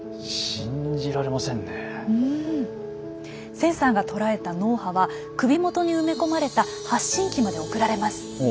センサーが捉えた脳波は首元に埋め込まれた発信器まで送られます。